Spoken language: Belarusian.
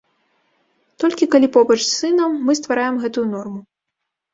Толькі калі побач з сынам мы ствараем гэтую норму.